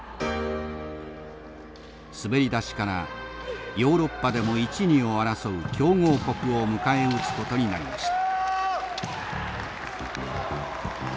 滑り出しからヨーロッパでも一ニを争う強豪国を迎え撃つことになりました。